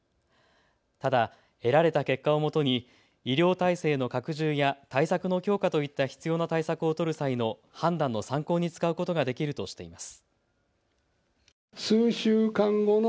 ただ得られた結果をもとに医療体制の拡充や対策の強化といった必要な対策を取る際の判断の参考に使うことができるとしています。